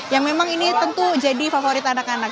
yang memang ini tentu jadi favorit anak anak